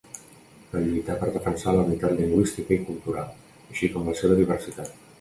Cal lluitar per defensar la unitat lingüística i cultural, així com la seva diversitat.